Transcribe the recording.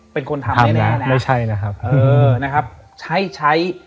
เป็นคนทำแน่ใช่ใช่